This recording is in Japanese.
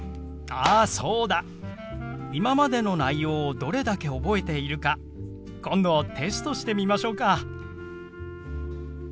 あそうだ！今までの内容をどれだけ覚えているか今度テストしてみましょうか。